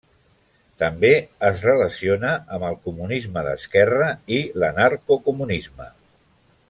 També es relaciona amb el comunisme d'esquerra i l'anarcocomunisme.